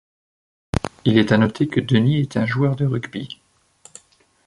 Il est à noter que Denis est un joueur de rugby.